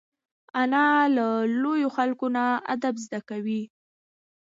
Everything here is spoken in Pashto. انا له لویو خلکو نه ادب زده کوي